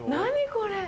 これ。